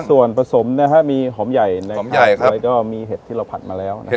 มีส่วนผสมนะครับมีหอมใหญ่นะครับแล้วก็มีเห็ดที่เราผัดมาแล้ว